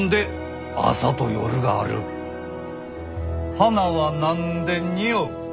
花は何でにおう？